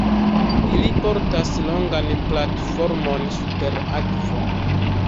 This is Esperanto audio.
Ili portas longan platformon, super akvo.